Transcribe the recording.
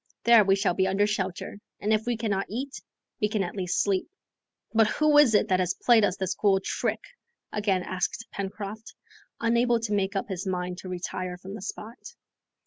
There we shall be under shelter, and if we cannot eat, we can at least sleep." "But who is it that has played us this cool trick?" again asked Pencroft, unable to make up his mind to retire from the spot.